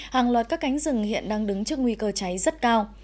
hàng loạt các cánh rừng hiện đang đứng trước nguy cơ cháy rất cao